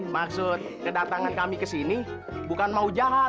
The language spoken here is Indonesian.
maksud kedatangan kami kesini bukan mau jahat